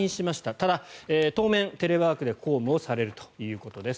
ただ、当面テレワークで公務をされるということです。